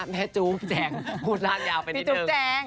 แม่จู๊ปแจ๊งพูดร่างยาวไปนิดนึง